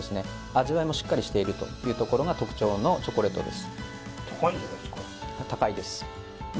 味わいもしっかりしているというところが特徴のチョコレートです